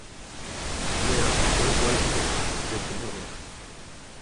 “Now, don’t waste it,” said the mother.